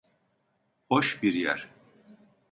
Hoş bir yer.